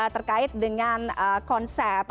terkait dengan konsep